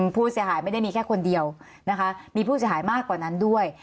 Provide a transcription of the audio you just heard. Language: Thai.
ผู้เสียหายไม่ได้มีแค่คนเดียวนะคะมีผู้เสียหายมากกว่านั้นด้วย